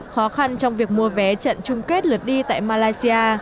khó khăn trong việc mua vé trận chung kết lượt đi tại malaysia